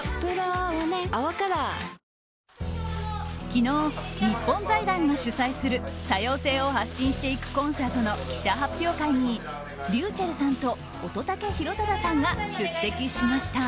昨日、日本財団が主催する多様性を発信していくコンサートの記者発表会にｒｙｕｃｈｅｌｌさんと乙武洋匡さんが出席しました。